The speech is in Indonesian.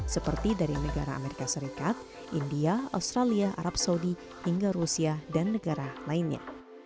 seperti dari negara amerika serikat india australia arab saudi hingga rusia dan negara lainnya